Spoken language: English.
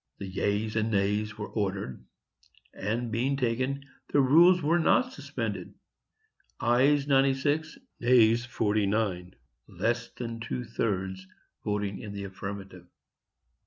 The yeas and nays were ordered, and, being taken, the rules were not suspended,—ayes 96, nays 49,—less than two thirds voting in the affirmative.